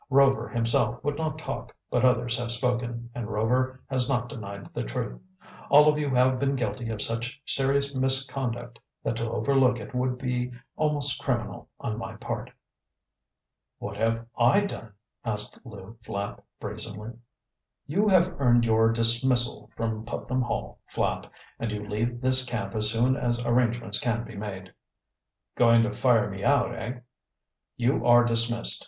Rover himself would not talk, but others have spoken, and Rover has not denied the truth. All of you have been guilty of such serious misconduct that to overlook it would be almost criminal on my part." "What have I done?" asked Lew Flapp brazenly. "You have earned your dismissal from Putnam Hall, Flapp, and you leave this camp as soon as arrangements can be made." "Going to fire me out, eh?" "You are dismissed.